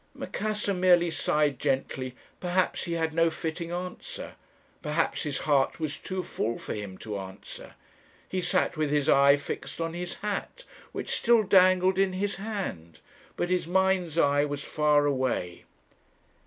"Macassar merely sighed gently perhaps he had no fitting answer; perhaps his heart was too full for him to answer. He sat with his eye fixed on his hat, which still dangled in his hand; but his mind's eye was far away.